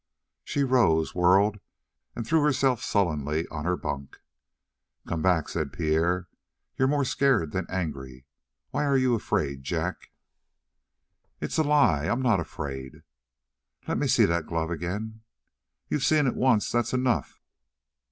She rose, whirled, and threw herself sullenly on her bunk. "Come back," said Pierre. "You're more scared than angry. Why are you afraid, Jack?" "It's a lie I'm not afraid!" "Let me see that glove again." "You've seen it once that's enough."